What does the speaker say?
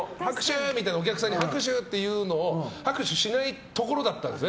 お客さんに拍手！って言うのを拍手しないところだったんですよ。